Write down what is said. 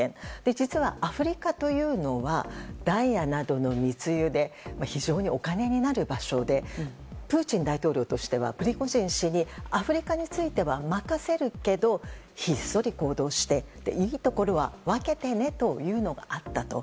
実はアフリカというのはダイヤなどの密輸で非常にお金になる場所でプーチン大統領としてはプリゴジン氏にアフリカについては任せるけどひっそり行動していいところは分けてねというのがあったと。